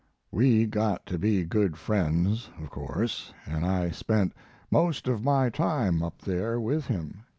"We got to be good friends, of course, and I spent most of my time up there with him.